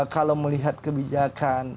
kalau melihat kebijakan